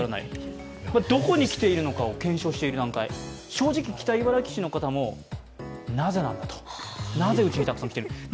正直、北茨城市の方もなぜなんだと、なぜうちにたくさん来ているんだと。